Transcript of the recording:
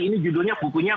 ini judulnya bukunya